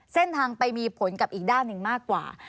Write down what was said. เส้นทางไปมีผลกับอีกด้านหนึ่งมากกว่า